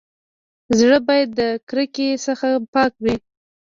زړه بايد د کرکي څخه پاک وي.